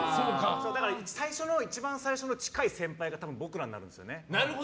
だから一番最初の近い先輩が多分、僕らになるんですよね。